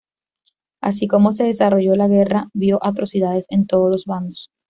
Así como se desarrolló, la guerra vio atrocidades en todos los bandos.